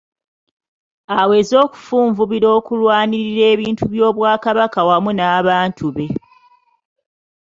Aweze okufunvubira okulwanirira ebintu by’Obwakabaka wamu n’abantu be.